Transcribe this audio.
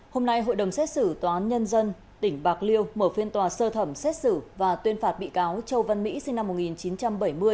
hôm nay hội đồng xét xử tòa án nhân dân tỉnh bạc liêu mở phiên tòa sơ thẩm xét xử và tuyên phạt bị cáo châu văn mỹ sinh năm một nghìn chín trăm bảy mươi